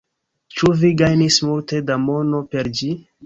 Ĉu vi gajnis multe da mono per ĝi?